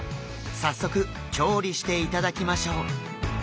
早速調理していただきましょう。